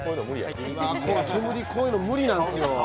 ケムリ、こういうの無理なんすよ。